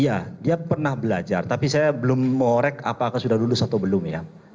iya dia pernah belajar tapi saya belum morek apakah sudah lulus atau belum ya